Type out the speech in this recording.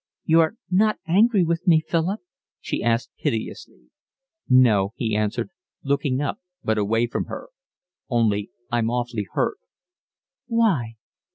"You're not angry with me, Philip?" she asked piteously. "No," he answered, looking up but away from her, "only I'm awfully hurt." "Why?"